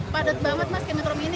padat banget mas ke metrum ini